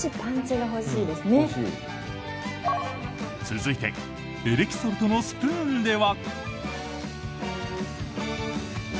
続いてエレキソルトのスプーンでは？